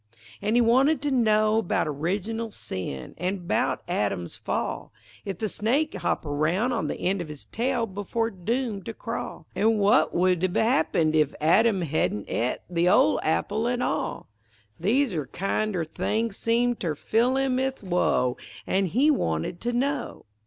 An' he wanted to know 'bout original sin; An' about Adam's fall; If the snake hopped aroun' on the end of his tail Before doomed to crawl, An' w'at would hev happened if Adam hedn' et The ol' apple at all; These ere kind er things seemed ter fill him 'ith woe, An' he wanted to know.